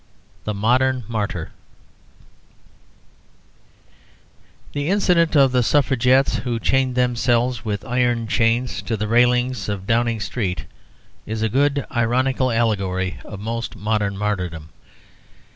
THE MODERN MARTYR The incident of the Suffragettes who chained themselves with iron chains to the railings of Downing Street is a good ironical allegory of most modern martyrdom.